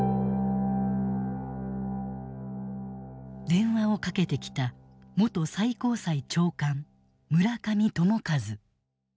電話をかけてきた元最高裁長官村上朝一。